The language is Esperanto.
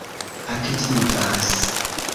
aktivas